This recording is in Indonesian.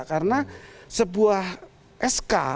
karena sebuah sk